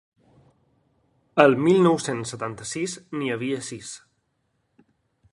El mil nou-cents setanta-sis n’hi havia sis.